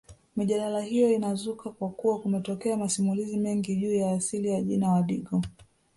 Mijadala hiyo inazuka kwa kuwa kumetokea masimulizi mengi juu ya asili ya jina Wadigo